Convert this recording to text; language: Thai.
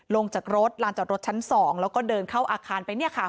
ลงจากรถลานจอดรถชั้น๒แล้วก็เดินเข้าอาคารไปเนี่ยค่ะ